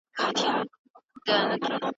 ایا ملي بڼوال وچ زردالو ساتي؟